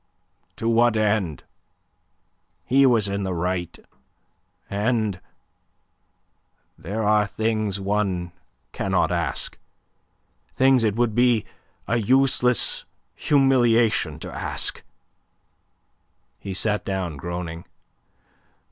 "To what end? He was in the right, and... and there are things one cannot ask; things it would be a useless humiliation to ask." He sat down, groaning.